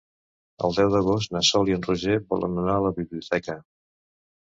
El deu d'agost na Sol i en Roger volen anar a la biblioteca.